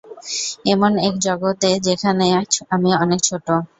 এমন এক জগতে, যেখানে আমি অনেক ছোট।